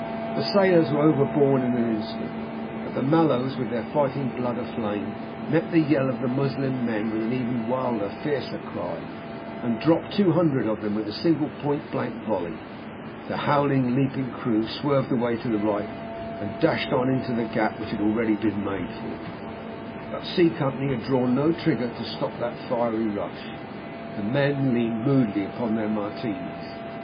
The sailors were overborne in an instant, but the Mallows, with their fighting blood aflame, met the yell of the Moslem with an even wilder, fiercer cry, and dropped two hundred of them with a single point blank volley. The howling, leaping crew swerved away to the right, and dashed on into the gap which had already been made for them. But C Company had drawn no trigger to stop that fiery rush. The men leaned moodily upon their Martinis.